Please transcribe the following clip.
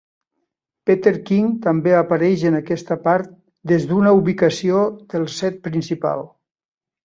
Peter King també apareix en aquesta part des d'una ubicació del set principal.